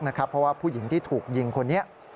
เพราะว่าผู้หญิงที่ถูกยิงคนนี้